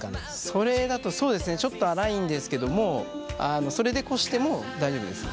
それだとそうですねちょっと粗いんですけどもそれでこしても大丈夫ですよ。